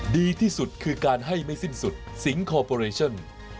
ดีที่สุดคือการให้ไม่สิ้นสุดสิงคอร์ปอเรชั่น